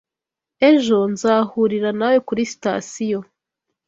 Ejo nzahurira nawe kuri sitasiyo.